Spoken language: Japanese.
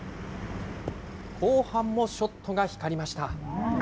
後半もショットが光りました。